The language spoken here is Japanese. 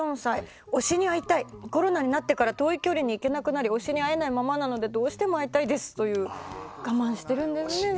推しに会いたい、コロナになってから遠い距離に行けなくなり推しに会えないままなのでどうしても会いたいです。